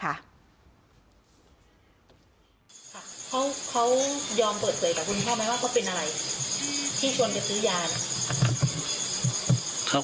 เขายอมเปิดเผยกับคุณเข้าไหมว่าเขาเป็นอะไรที่ชวนไปซื้อยา